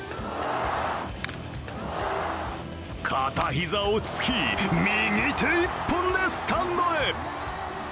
片膝をつき、右手１本でスタンドへ。